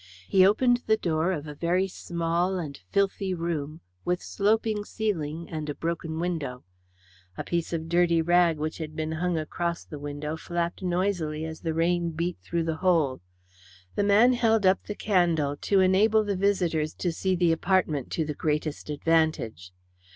He opened the door of a very small and filthy room, with sloping ceiling and a broken window. A piece of dirty rag which had been hung across the window flapped noisily as the rain beat through the hole. The man held up the candle to enable the visitors to see the apartment to the greatest advantage.